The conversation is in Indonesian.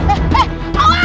eh eh awas